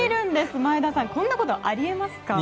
前田さんこんなことありえますか。